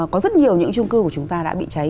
có rất nhiều những trung cư của chúng ta đã bị cháy